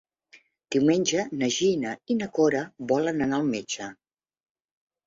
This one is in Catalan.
Diumenge na Gina i na Cora volen anar al metge.